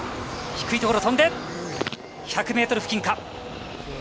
低いところを飛んで１００ｍ付近か？